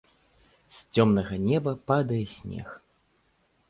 З цёмнага неба падае снег.